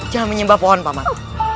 jangan menyembah pohon pak man